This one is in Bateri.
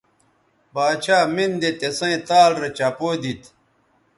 باڇھا مِن دے تِسیئں تال رے چپو دیتھ